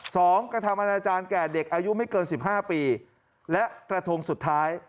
กระทำอนาจารย์แก่เด็กอายุไม่เกินสิบห้าปีและกระทงสุดท้าย